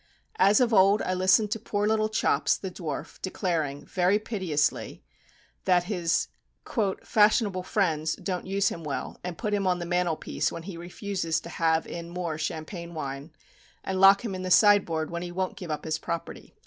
As of old I listen to poor little Chops, the dwarf, declaring, very piteously, that his "fashionable friends" don't use him well, and put him on the mantel piece when he refuses to "have in more champagne wine," and lock him in the sideboard when he "won't give up his property."